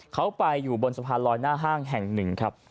เขาไปอยู่บนสะพานลอยหน้าห้างแห่งหนึ่งครับ